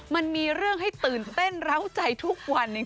มันมีเรื่องให้ตื่นเต้นร้าวใจทุกวันจริง